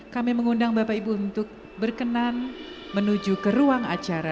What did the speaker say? kami mengundang bapak ibu untuk berkenan menuju ke ruang acara